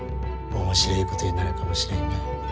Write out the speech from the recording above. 面白えことになるかもしれんがや。